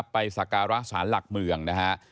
ไปศักรสารหลักเมือง